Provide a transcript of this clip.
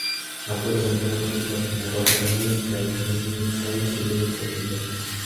Ha protagonizado películas como "Rapa-Nui", "Dance Me Outside" y "Legends of the North".